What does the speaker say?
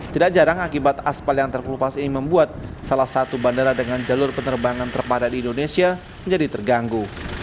tidak jarang akibat aspal yang terkelupas ini membuat salah satu bandara dengan jalur penerbangan terpada di indonesia menjadi terganggu